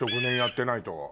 ５年やってないと。